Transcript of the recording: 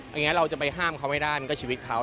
อย่างนี้เราจะไปห้ามเขาไม่ได้มันก็ชีวิตเขา